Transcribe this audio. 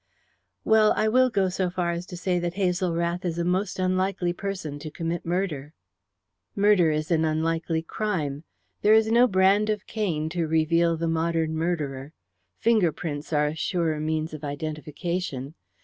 "Well, I will go so far as to say that Hazel Rath is a most unlikely person to commit murder." "Murder is an unlikely crime. There is no brand of Cain to reveal the modern murderer. Finger prints are a surer means of identification.